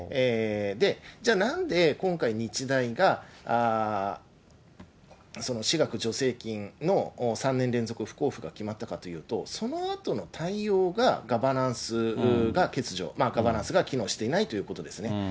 じゃあなんで今回、日大が私学助成金の３年連続不交付が決まったかというと、そのあとの対応がガバナンスが欠如、ガバナンスが機能していないということですね。